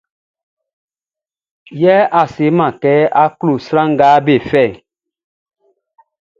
Yɛ a seman kɛ a klo sran nga be fɛʼn.